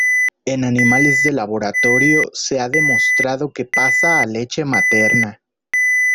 En animales de laboratorio se ha demostrado que pasa a leche materna.